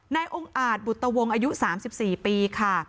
นายองค์อาจบุตวงอายุ๓๔ปีค่ะ